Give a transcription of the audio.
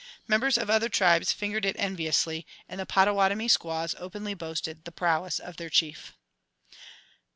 Members of other tribes fingered it enviously, and the Pottawattomie squaws openly boasted the prowess of their chief.